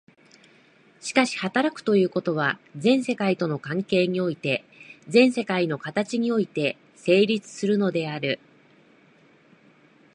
しかし働くということは、全世界との関係において、全世界の形において成立するのである。